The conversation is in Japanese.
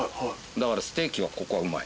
だからステーキはここはうまい。